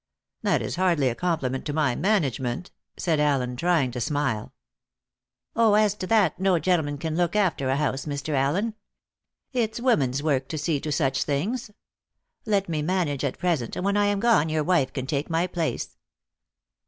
"That is hardly a compliment to my management," said Allen, trying to smile. "Oh, as to that, no gentleman can look after a house, Mr. Allen. It's woman's work to see to such things. Let me manage at present, and when I am gone your wife can take my place."